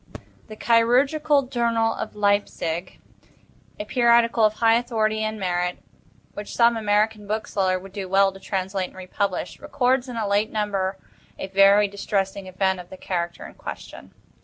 The "Chirurgical Journal" of Leipsic, a periodical of high authority and merit, which some American bookseller would do well to translate and republish, records in a late number a very distressing event of the character in question.